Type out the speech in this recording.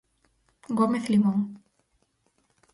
Gómez Limón.